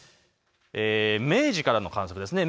明治からの観測ですね。